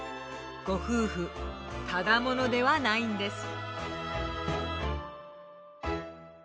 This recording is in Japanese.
ご夫婦ただ者ではないんです。